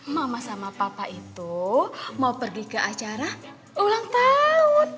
mama sama papa itu mau pergi ke acara ulang tahun